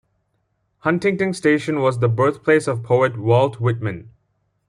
Huntington Station was the birthplace of poet Walt Whitman.